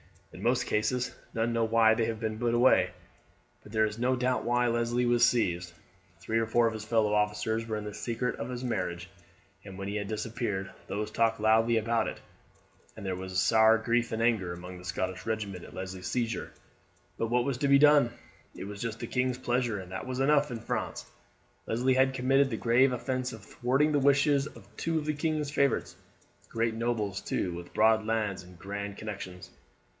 In most cases none know why they have been put away; but there is no doubt why Leslie was seized. Three or four of his fellow officers were in the secret of his marriage, and when he had disappeared these talked loudly about it, and there was sair grief and anger among the Scottish regiment at Leslie's seizure. But what was to be done? It was just the king's pleasure, and that is enough in France. Leslie had committed the grave offence of thwarting the wishes of two of the king's favourites, great nobles, too, with broad lands and grand connections.